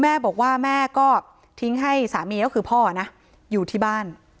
แม่บอกว่าแม่ก็ทิ้งให้สามีก็คือพ่อนะอยู่ที่บ้าน